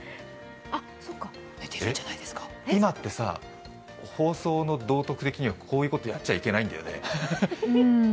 今ってさ、放送の道徳的にはこういうことやっちゃいけないんだよね？